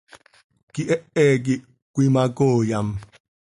Quihehe quih cöimacooyam.